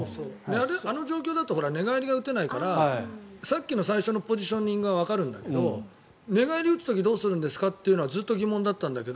あの状況だと寝返りが打てないからさっきの最初のポジショニングはわかるんだけど寝返りを打つ時どうするんですかっていうのはずっと疑問だったんですけど。